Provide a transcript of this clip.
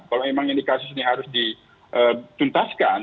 kalau memang ini harus dituntaskan